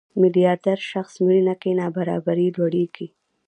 میلیاردر شخص مړینه کې نابرابري لوړېږي.